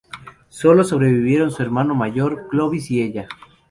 Solo sobrevivieron su hermano mayor Clovis y ella.